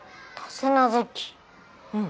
うん。